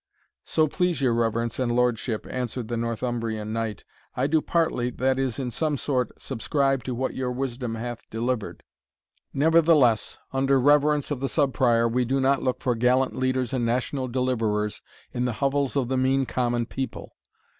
"So please your reverence and lordship," answered the Northumbrian knight, "I do partly, that is, in some sort, subscribe to what your wisdom hath delivered Nevertheless, under reverence of the Sub Prior, we do not look for gallant leaders and national deliverers in the hovels of the mean common people.